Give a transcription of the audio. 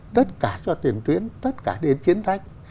tất cả cho tiền tuyến tất cả để chiến tranh